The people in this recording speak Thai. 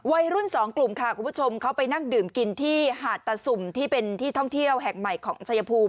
วัยรุ่นสองกลุ่มค่ะคุณผู้ชมเขาไปนั่งดื่มกินที่หาดตะสุ่มที่เป็นที่ท่องเที่ยวแห่งใหม่ของชายภูมิ